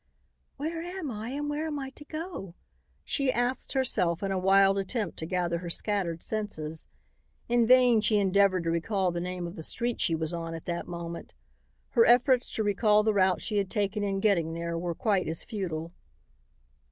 "Where am I and where am I to go?" she asked herself in a wild attempt to gather her scattered senses. In vain she endeavored to recall the name of the street she was on at that moment. Her efforts to recall the route she had taken in getting there were quite as futile.